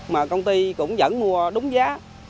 mà công ty cũng vẫn mua đúng giá